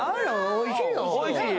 おいしいよ。